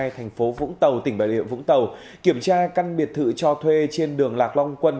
thành phố vũng tàu tỉnh bà rịa vũng tàu kiểm tra căn biệt thự cho thuê trên đường lạc long quân